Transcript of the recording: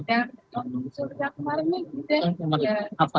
sulit yang kemarin nih gitu ya